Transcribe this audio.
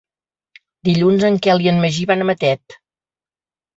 Dilluns en Quel i en Magí van a Matet.